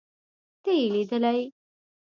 ته يې ليدلې.